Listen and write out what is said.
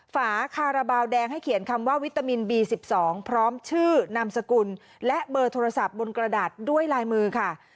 ฝาคาราบาลแดงให้เขียนคำว่าวิตามินบี๑๒พร้อมชื่อนามสกุลและเบอร์โทรศัพท์บนกระดาษด้วยลายมือค่ะ